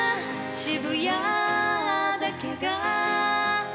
渋谷だけが」